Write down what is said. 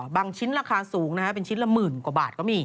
ชิ้นราคาสูงเป็นชิ้นละหมื่นกว่าบาทก็มี